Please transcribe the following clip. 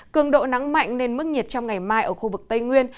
cường độ nắng mạnh nên mức nhiệt trong ngày mai ở khu vực tây nguyên